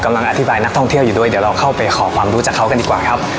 กำลังอธิบายนักท่องเที่ยวอยู่ด้วยเดี๋ยวเราเข้าไปขอความรู้จากเขากันดีกว่าครับ